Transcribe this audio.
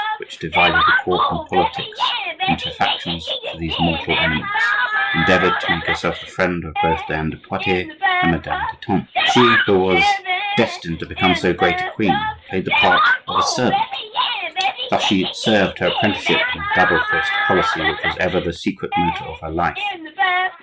which divided the court and politics into factions for these mortal enemies, endeavored to make herself the friend of both Diane de Poitiers and Madame d'Etampes. She, who was destined to become so great a queen, played the part of a servant. Thus she served her apprenticeship in that double faced policy which was ever the secret motor of her life.